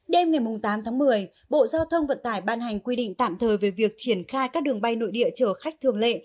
đêm ngày tám tháng một mươi bộ giao thông vận tải ban hành quy định tạm thời về việc triển khai các đường bay nội địa chở khách thường lệ